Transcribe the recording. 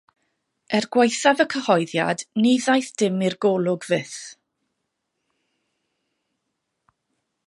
Er gwaethaf y cyhoeddiad, ni ddaeth dim i'r golwg fyth.